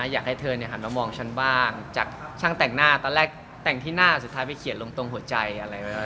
อยากให้เธอเนี่ยมามองฉันบ้างจากช่างแต่งหน้าเดินแล้วแต่งที่หน้าที่สุดท้ายไปเขียนลงตรงหัวใจอะไรแบบเนี่ย